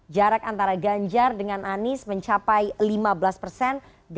jarak antara ganjar dengan anies mencapai lima belas persen